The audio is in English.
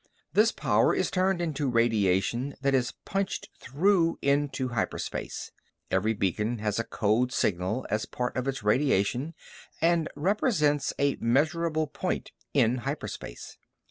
This power is turned into radiation that is punched through into hyperspace. Every beacon has a code signal as part of its radiation and represents a measurable point in hyperspace.